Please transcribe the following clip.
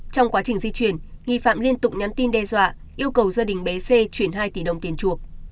trong quá trình di chuyển nghi phạm liên tục nhắn tin đe dọa yêu cầu gia đình bé c chuyển hai tỷ đồng tiền chuộc